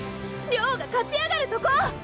亮が勝ち上がるとこ！